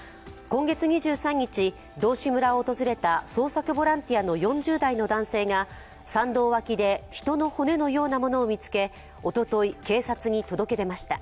今月２３日、道志村を訪れた捜索ボランティアの４０代の男性が、山道脇で人の骨のようなものを見つけおととい、警察に届け出ました。